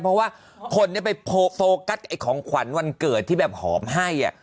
เพราะว่าคนไปโฟกัสของขวัญวันเกิดที่แบบหอมให้